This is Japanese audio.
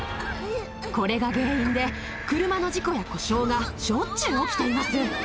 これが原因で、車の事故や故障がしょっちゅう起きています。